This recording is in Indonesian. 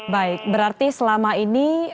baik berarti selama ini